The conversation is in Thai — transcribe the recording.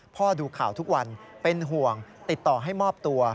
ดูข่าวทุกวันเป็นห่วงติดต่อให้มอบตัว